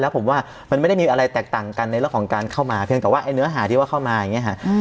ผมว่ามันไม่ได้มีอะไรแตกต่างกันในเรื่องของการเข้ามาเพียงแต่ว่าไอ้เนื้อหาที่ว่าเข้ามาอย่างนี้ค่ะ